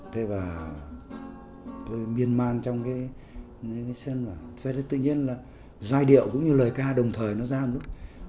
thế và tôi miên man trong cái sân và tự nhiên là giai điệu cũng như lời ca đồng thời nó ra một lúc